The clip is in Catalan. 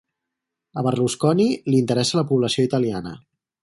A Berlusconi li interessa la població italiana.